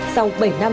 sau bảy năm